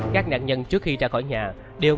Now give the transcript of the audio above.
các nạn nhân trước khi ra khỏi nhà đều mang một cú đâm